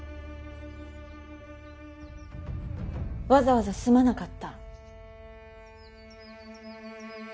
わざわざすまなかった。